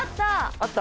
あった？